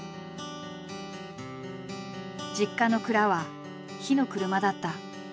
実家の蔵は火の車だった。